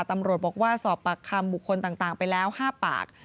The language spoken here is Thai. ตำรวจบอกว่าสอบปากคำบุคคลต่างไปแล้ว๕ปาก